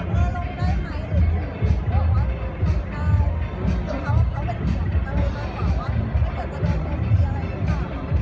เพราะฉะนั้นถ้าแกโดยเจ้าเลยมันก็ควรทันแหละ